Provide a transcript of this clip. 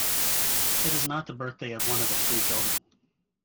It is not the birthday of one of the three children.